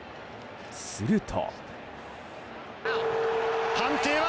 すると。